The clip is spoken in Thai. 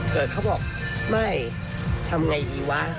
เกิดเค้าบอกไม่ทำไงดีวะ